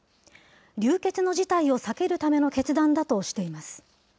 流血の事態を避けるための決断だとしています。